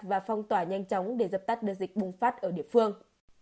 và phong tỏa nhanh chóng để dập tắt đợt dịch bùng phát ở địa phương